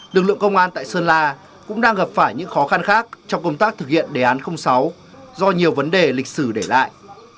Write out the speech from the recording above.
lực lượng công an tại sơn la cũng đang gặp phải những khó khăn khác trong công tác thực hiện đề án sáu do nhiều vấn đề lịch sử để lại